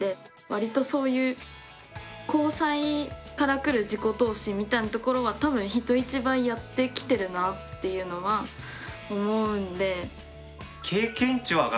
割とそういう交際から来る自己投資みたいなところは多分人一倍やってきてるなっていうのは思うんで。